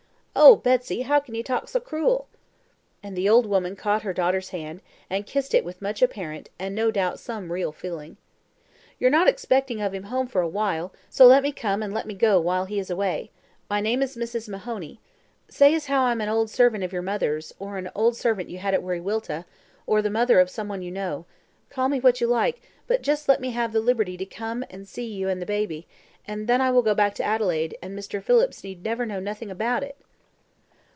Oh, Betsy, how can you talk so cruel?" and the old woman caught her daughter's hand, and kissed it with much apparent, and no doubt some real feeling. "You're not expecting of him home for a while; let me come and let me go while he is away my name is Mrs. Mahoney. Say as how I am an old servant of your mother's, or an old servant you had at Wiriwilta, or the mother of some one you know call me what you like, but let me just have the liberty to come and see you and the baby, and then I will go back to Adelaide, and Mr. Phillips need never know nothing about it?"